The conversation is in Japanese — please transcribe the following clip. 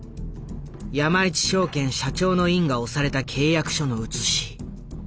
山一証券社長の印が押された契約書の写し。